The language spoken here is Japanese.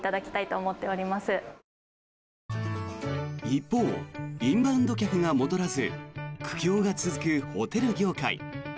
一方、インバウンド客が戻らず苦境が続くホテル業界。